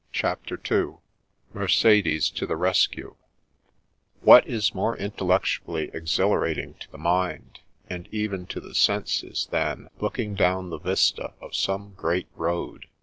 CHAPTER II itctciblB to tbe Vedcue " What is more intellecttudly ezhilaratine to the mind, and even to the senses, than ... looking down the vista of some great road